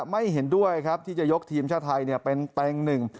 ไม่เห็นด้วยครับที่จะยกทีมชาติไทยเป็นเต็งหนึ่ง